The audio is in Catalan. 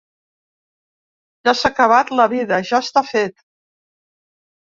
Ja s’ha acabat la vida, ja està fet.